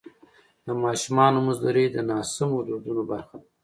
د ماشومانو مزدوري د ناسمو دودونو برخه ده.